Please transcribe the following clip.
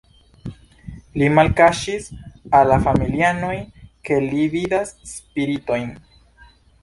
Li malkaŝis al la familianoj, ke li vidas spiritojn.